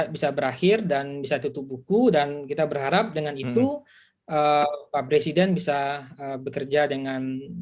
bisa berakhir dan bisa tutup buku dan kita berharap dengan itu pak presiden bisa bekerja dengan